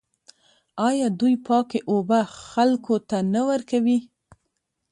آیا دوی پاکې اوبه خلکو ته نه ورکوي؟